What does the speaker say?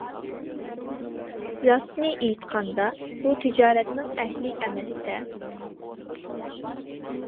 راستىنى ئېيتقاندا، ئۇ تىجارەتنىڭ ئەھلى ئەمەستە.